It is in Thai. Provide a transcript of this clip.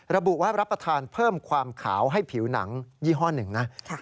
ระบุว่ารับประทานเพิ่มความขาวให้ผิวหนังยี่ห้อหนึ่งนะ